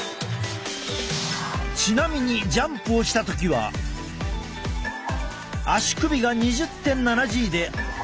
ちなみにジャンプをした時は足首が２０．７Ｇで頭は５．７Ｇ。